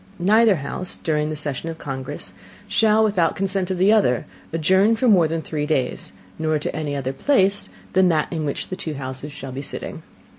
Neither House, during the Session of Congress, shall, without the Consent of the other, adjourn for more than three days, nor to any other Place than that in which the two Houses shall be sitting.